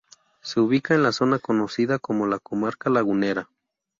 Se ubica en la zona conocida como la Comarca Lagunera.